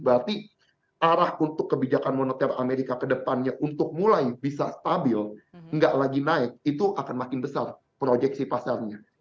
berarti arah untuk kebijakan moneter amerika ke depannya untuk mulai bisa stabil nggak lagi naik itu akan makin besar proyeksi pasarnya